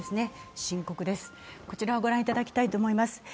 深刻です、こちらを御覧いただきたいと思います。